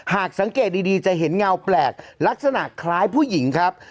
หากสังเกตดีจะเห็นเงาแปลกลักษณะคล้ายผู้หญิงครับ